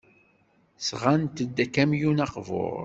Sɣant-d akamyun aqbur.